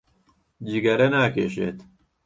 جگەرە ناکێشێت.